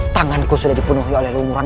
tanganku sudah dipenuhi oleh lumuran